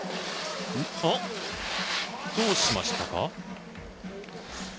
どうしましたか。